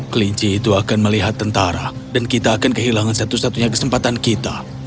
kelinci itu akan melihat tentara dan kita akan kehilangan satu satunya kesempatan kita